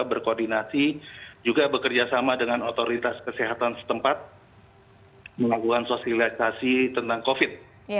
kita berkoordinasi juga bekerjasama dengan otoritas kesehatan setempat melakukan sosialisasi tentang covid sembilan belas